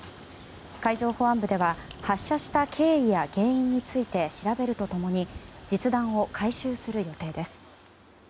海上保安部では発射した原因や経緯について調べると共に実弾を回収する予定です。